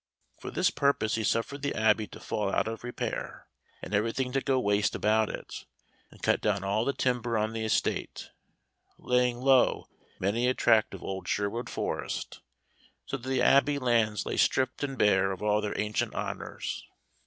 For this purpose he suffered the Abbey to fall out of repair, and everything to go to waste about it, and cut down all the timber on the estate, laying low many a tract of old Sherwood Forest, so that the Abbey lands lay stripped and bare of all their ancient honors.